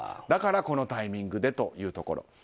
だから、このタイミングでというところ。